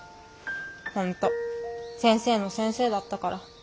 本当先生の先生だったから。